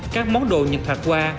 các món đồ nhận thoạt qua